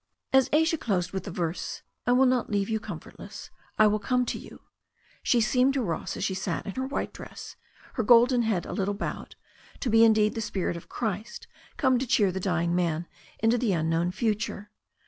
As Asia closed with the verse "I will not leave you com fortless, I will come to you," she seemed to Ross as she sat in her white dress, her golden head a little bowed, to be indeed the spirit of Christ come to cheer the dying man into the unknown future.